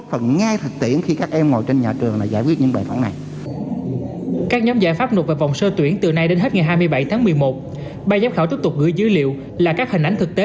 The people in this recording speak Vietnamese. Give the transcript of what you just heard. bài giám khảo tiếp tục gửi dữ liệu là các hình ảnh thực tế